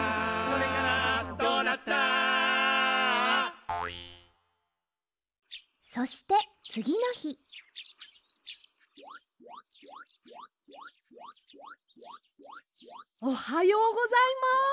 「どうなった？」そしてつぎのひおはようございます！